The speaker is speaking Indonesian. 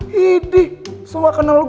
hidi sela kenal gue